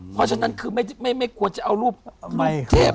เพราะฉะนั้นคือไม่ควรจะเอารูปเทพ